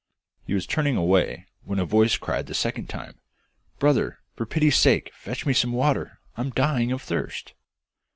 He was turning away, when a voice cried the second time, 'Brother, for pity's sake fetch me some water; I'm dying of thirst!